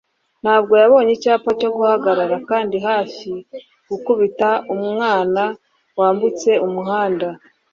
ntabwo yabonye icyapa cyo guhagarara kandi hafi gukubita umwana wambutse umuhanda